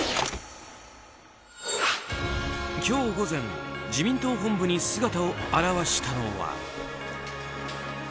今日午前、自民党本部に姿を現したのは。